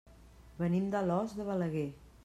Venim d'Alòs de Balaguer.